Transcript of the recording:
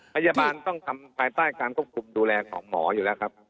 พยาบาลต้องทำภายใต้การควบคุมดูแลของหมออยู่แล้วครับ